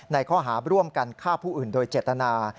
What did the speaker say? ในข้อหาร่วมกันฆ่าผู้อื่นโดยเจตนา